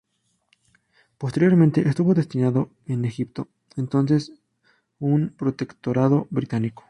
Posteriormente estuvo destinado en Egipto, entonces un protectorado británico.